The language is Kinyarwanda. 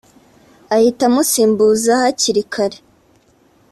ahita amusimbuza hakiri kare